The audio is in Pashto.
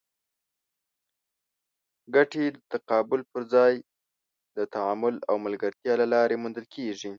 ګټې د تقابل پر ځای د تعامل او ملګرتیا له لارې موندل کېږي.